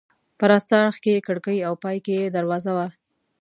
په راسته اړخ کې یې کړکۍ او په پای کې یې دروازه وه.